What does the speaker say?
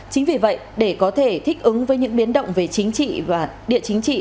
chính vì vậy để có thể thích ứng với những biến động về chính trị và địa chính trị